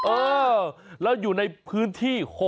เออแล้วอยู่ในพื้นที่